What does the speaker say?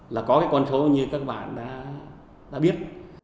là có cái con số như các bạn đã biết